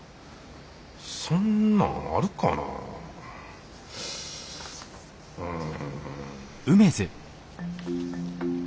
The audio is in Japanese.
そんなんあるかなうん。